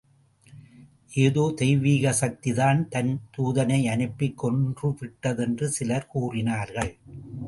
ஏதோ தெய்வீக சக்திதான் தன் தூதனையனுப்பிக் கொன்றுவிட்டதென்று சிலர் கூறினார்கள்.